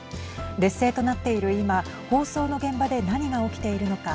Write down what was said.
劣勢となっている今放送の現場で何が起きているのか。